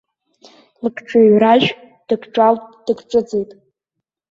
Лыкҿыҩражә дыкҿалт-дыкҿыҵит.